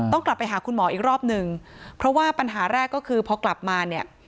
ต้องกลับไปหาคุณหมออีกรอบนึงเพราะว่าปัญหาแรกก็คือพอกลับมาเนี่ย